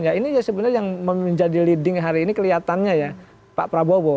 ya ini sebenarnya yang menjadi leading hari ini kelihatannya ya pak prabowo